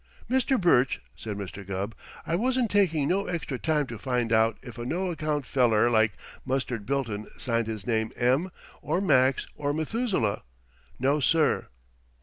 "Mr. Burch," said Mr. Gubb, "I wasn't taking no extra time to find out if a no account feller like Mustard Bilton signed his name M. or Max or Methuselah. No, sir."